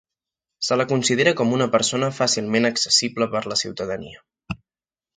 Se la considera com una persona fàcilment accessible per la ciutadania.